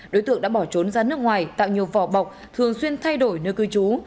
đối tượng đã bỏ trốn ra nước ngoài tạo nhiều vỏ bọc thường xuyên thay đổi nơi cư trú